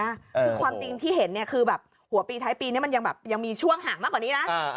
คือความจริงที่เห็นเนี่ยหัวปีท้ายปีเนี่ยมันยังมีช่วงห่างมากกว่านี้นะ